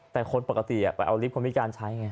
แต่คนปกติไปเอาลิฟต์คนพิการใช้ไง